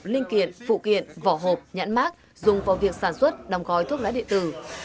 linh kiện phụ kiện vỏ hộp nhãn mác dùng vào việc sản xuất đồng gói thuốc lá điện tử